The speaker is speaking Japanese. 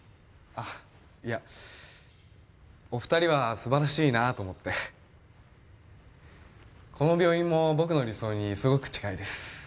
いえお二人は素晴らしいなあと思ってこの病院も僕の理想にすごく近いです